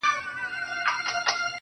زما خو ټوله زنده گي توره ده.